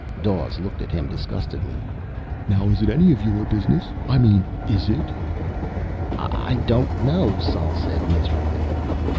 Dawes looked at him disgustedly. "Now is it any of your business? I mean, is it?" "I don't know," Sol said miserably.